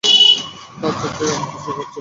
তার চোখ থেকে আগুন ঠিকরে পড়ছিল।